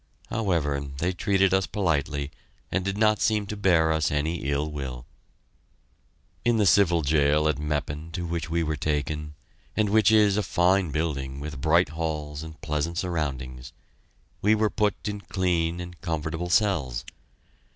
However, they treated us politely and did not seem to bear us any ill will. In the civil jail at Meppen to which we were taken, and which is a fine building with bright halls and pleasant surroundings, we were put in clean and comfortable cells.